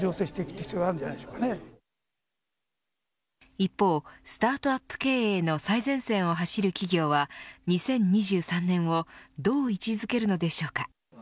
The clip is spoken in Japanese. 一方、スタートアップ経営の最前線を走る企業は２０２３年をどう位置づけるのでしょうか。